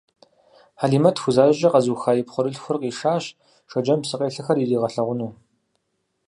Хьэлимэт «тху» защӀэкӀэ къэзыуха и пхъурылъхур къишащ, Шэджэм псыкъелъэхэр иригъэлъагъуну.